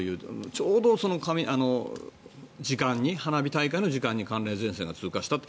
ちょうど、花火大会の時間に寒冷前線が通過したって。